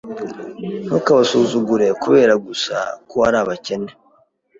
Ntukabasuzugure kubera gusa ko ari abakene.